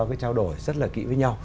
cái trao đổi rất là kỹ với nhau